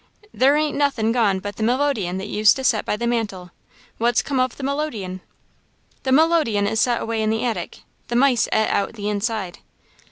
There ain't nothin' gone but the melodeon that used to set by the mantel. What's come of the melodeon?" "The melodeon is set away in the attic. The mice et out the inside."